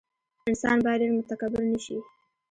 انسان باید ډېر متکبر نه شي.